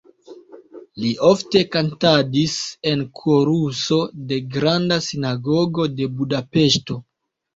Li ofte kantadis en koruso de Granda Sinagogo de Budapeŝto.